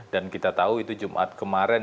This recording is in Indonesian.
dan kita tahu itu jumat kemarin